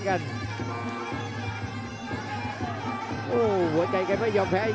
โอ้โหไม่พลาดกับธนาคมโด้แดงเขาสร้างแบบนี้